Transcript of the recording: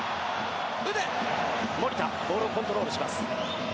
守田ボールをコントロールします。